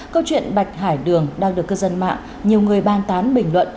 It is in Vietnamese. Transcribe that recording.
câu chuyện bạch hải đường đang được cư dân mạng nhiều người ban tán bình luận